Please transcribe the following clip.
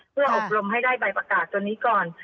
เพื่ออบรมให้ได้ใบประกาศตัวนี้ก่อน